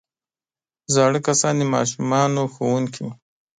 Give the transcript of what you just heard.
زاړه کسان د ماشومانو ښوونکي وي